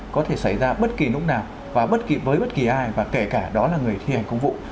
có thể xảy ra bất kỳ lúc nào và bất kỳ với bất kỳ ai và kể cả đó là người thi hành công vụ